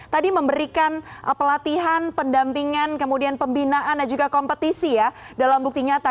tadi memberikan pelatihan pendampingan kemudian pembinaan dan juga kompetisi ya dalam bukti nyata